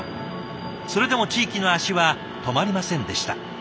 それでも地域の足は止まりませんでした。